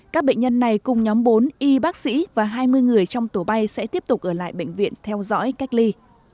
các bệnh nhân này cùng nhóm bốn y bác sĩ và hai mươi người trong tổ bay sẽ tiếp tục ở lại bệnh viện theo dõi cách ly